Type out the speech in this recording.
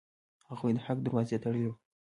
هغوی د حق دروازه تړلې وه.